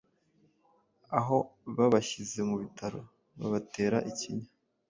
aho babashyize mu bitaro babatera ikinya